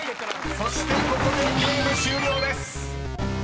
［そしてここでゲーム終了です］